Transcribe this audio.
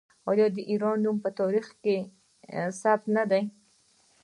آیا د ایران نوم په تاریخ کې ثبت نه دی؟